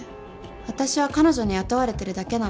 私は彼女に雇われてるだけなの。